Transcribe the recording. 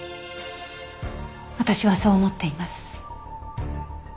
私はそう思っています。